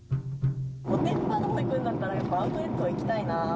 御殿場のほう行くんだったら、やっぱアウトレットは行きたいな。